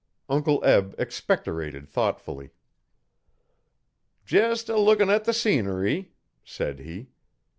Uncle Eb expectorated thoughtfully. 'Jest a lookin' at the scenery,' said he.